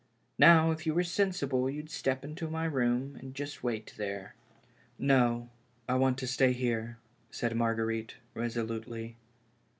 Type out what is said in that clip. Now, if you were sensible you'd step into my room and just wait there." " No ; I want to stay here," said Marguerite, reso lutely.